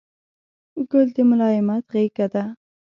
ګل د ملایمت غېږه ده.